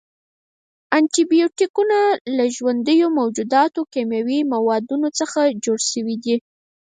انټي بیوټیکونه له ژوندیو موجوداتو، کیمیاوي موادو څخه جوړ شوي دي.